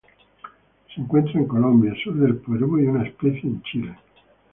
Se encuentra en Colombia, sur de Perú, y una especie en Chile.